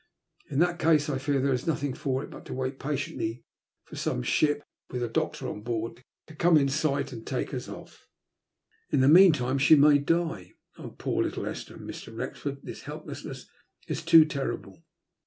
*' In that case, I fear there is nothing for it but to wait patiently for some ship, with a doctor on board, to come in sight and take us off." In the meantime, she may die. Oh, poor little Esther 1 Mr. Wrexford, this helplessness is too ter rible."